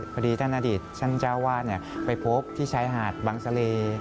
พอดีท่านอดีตท่านเจ้าวาดไปพบที่ชายหาดบังเสล่